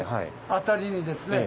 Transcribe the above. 辺りにですね